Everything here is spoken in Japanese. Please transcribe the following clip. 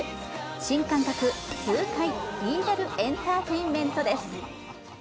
新感覚な痛快リーガル・エンターテインメントです。